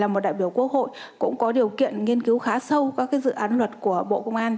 một đại biểu quốc hội cũng có điều kiện nghiên cứu khá sâu các dự án luật của bộ công an